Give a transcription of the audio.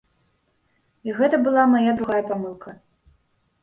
І гэта была мая другая памылка.